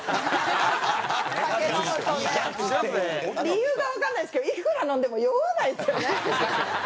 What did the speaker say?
理由がわかんないですけどいくら飲んでも酔わないんですよね。